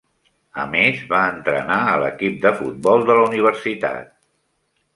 A més, va entrenar a l'equip de futbol de la universitat.